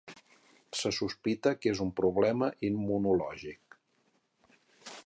Se sospita que és un problema immunològic.